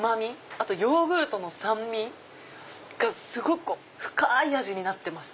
あとヨーグルトの酸味がすごく深い味になってます。